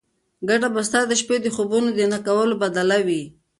ګټه به ستا د شپې د خوبونو د نه کولو بدله وي.